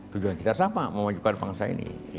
tujuan kita sama memajukan bangsa ini